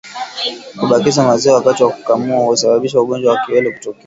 Kubakiza maziwa wakati wa kukamua husababisha ugonjwa wa kiwele kutokea